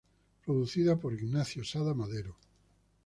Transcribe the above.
Producida por Ignacio Sada Madero.